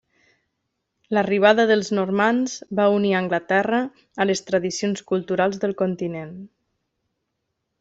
L'arribada dels normands va unir Anglaterra a les tradicions culturals del continent.